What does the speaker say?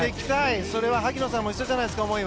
それは萩野さんも一緒じゃないですか。